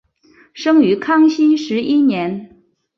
生于康熙十一年。